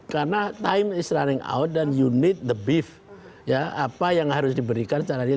karena time is running out dan you need the beef ya apa yang harus diberikan secara real